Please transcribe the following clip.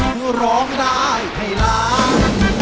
เพราะร้องได้ให้ร้าน